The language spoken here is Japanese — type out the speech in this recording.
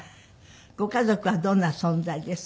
ご家族はどんな存在ですか？